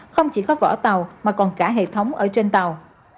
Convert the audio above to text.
không chỉ có vỏ tàu mà còn cả hệ thống ở trên tàu